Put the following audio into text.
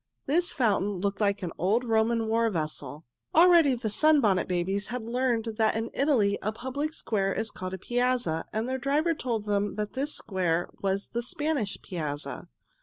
This fountain looked like an old Roman war vessel. Already the Sunbonnet Babies had learned that in Italy a public square is called a piazza, and their driver told them that this square was the Spanish Piazza.